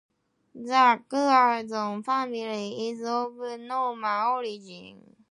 The Curzon family is of Norman origin.